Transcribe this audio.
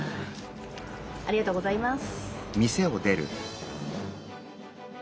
ありがとうございます。